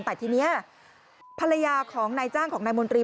แต่ทีนี้ภรรยาของนายจ้างของนายมนตรี